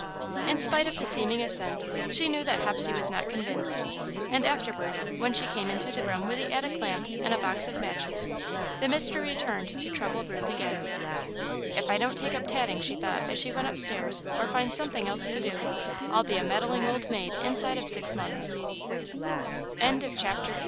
In spite of the seeming assent, she knew that Hepsey was not convinced; and afterward, when she came into the room with the attic lamp and a box of matches, the mystery returned to trouble Ruth again. "If I don't take up tatting," she thought, as she went upstairs, "or find something else to do, I'll be a meddling old maid inside of six months." IV. A Guest As the days went by, Ruth had the inevitable r